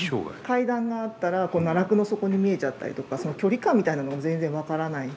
階段があったら奈落の底に見えちゃったりとか距離感みたいなのが全然分からない。